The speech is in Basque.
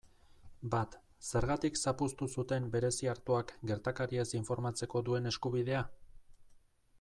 Bat, zergatik zapuztu zuten Bereziartuak gertakariez informatzeko duen eskubidea?